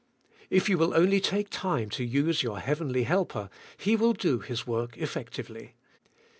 If 3'ou will only take time to use 3"our Heavenly Helper, He will do His work effectively.